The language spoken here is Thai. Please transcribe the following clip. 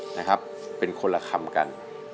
นะครับเป็นคนละคำกัน